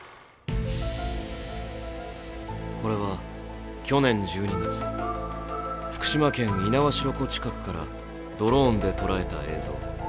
これは去年１２月、福島県猪苗代湖近くからドローンで捉えた映像。